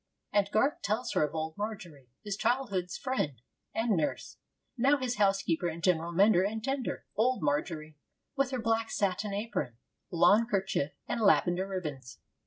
And Garth tells her of old Margery, his childhood's friend and nurse, now his housekeeper and general mender and tender old Margery, with her black satin apron, lawn kerchief, and lavender ribbons.